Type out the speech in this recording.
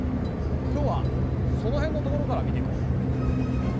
今日はその辺のところから見ていこう。